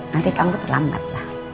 nanti kamu terlambat lah